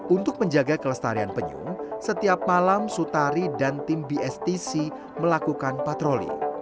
untuk menjaga kelestarian penyu setiap malam sutari dan tim bstc melakukan patroli